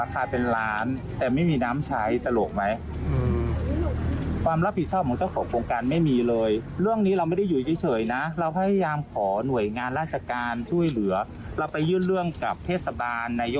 ก็ไม่มีใครเข้ามาช่วยเหลือเราเลย